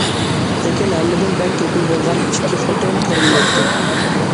لېكىن ھەممىدىن بەك گېپى بولغان ئىككى« خوتۇن» كۆرۈنمەيتتى.